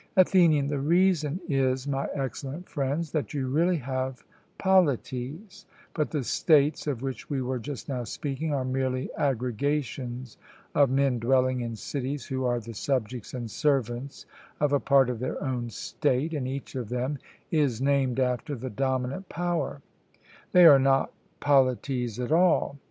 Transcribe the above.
ATHENIAN: The reason is, my excellent friends, that you really have polities, but the states of which we were just now speaking are merely aggregations of men dwelling in cities who are the subjects and servants of a part of their own state, and each of them is named after the dominant power; they are not polities at all.